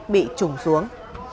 bị trùng xuống